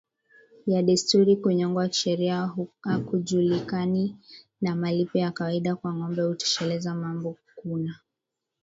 ya desturi Kunyongwa kisheria hakujulikani na malipo ya kawaida kwa ngombe hutosheleza mambo Kuna